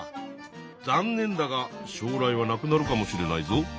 残念だが将来はなくなるかもしれないぞ。